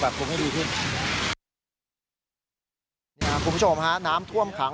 พลังถึงวิงด้วยความที่เข็มขึ้น